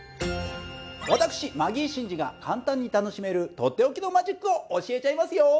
私マギー審司が簡単に楽しめるとっておきのマジックを教えちゃいますよ。